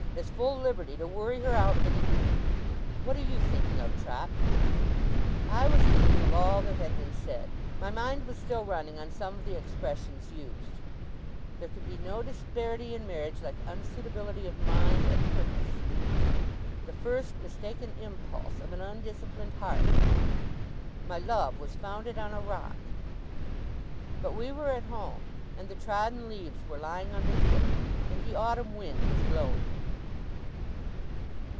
is full liberty to worry her out of it again. What are you thinking of, Trot?' I was thinking of all that had been said. My mind was still running on some of the expressions used. 'There can be no disparity in marriage like unsuitability of mind and purpose.' 'The first mistaken impulse of an undisciplined heart.' 'My love was founded on a rock.' But we were at home; and the trodden leaves were lying under foot, and the autumn wind was blowing.